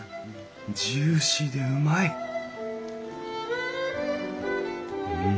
ジューシーでうまいうん。